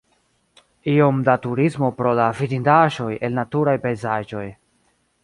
Iom da turismo pro la vidindaĵoj el naturaj pejzaĝoj.